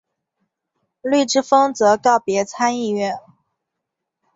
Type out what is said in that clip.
绿之风则告别参议院。